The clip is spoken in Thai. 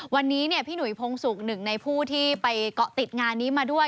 วันนี้พี่หนุ่ยพงศุกร์หนึ่งในผู้ที่ไปเกาะติดงานนี้มาด้วย